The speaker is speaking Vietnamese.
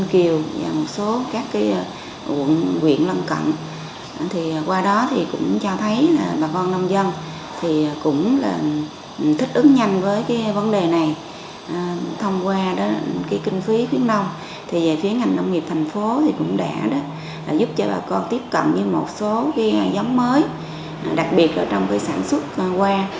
giúp cho bà con tiếp cận với một số giống mới đặc biệt là trong sản xuất hoa